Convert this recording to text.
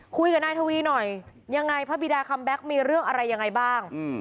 คุยกับนายทวีหน่อยยังไงพระบิดาคัมแก๊กมีเรื่องอะไรยังไงบ้าง